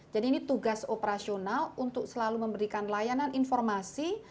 jadi ini tugas operasional untuk selalu memberikan layanan informasi